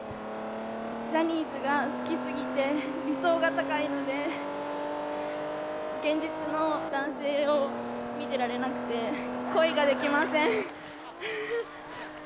ジャニーズが好きすぎて理想が高いので、現実の男性を見てられなくて、恋ができません。